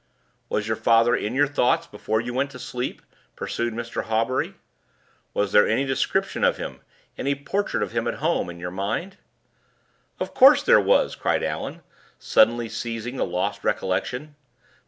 "Was your father in your thoughts before you went to sleep?" pursued Mr. Hawbury. "Was there any description of him any portrait of him at home in your mind?" "Of course there was!" cried Allan, suddenly seizing the lost recollection.